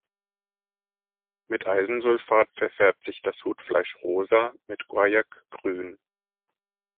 Mit Eisensulfat verfärbt sich das Hutfleisch rosa mit Guajak grün.